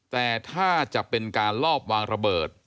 แต่ถ้าจะเป็นการลอบวางระเบิด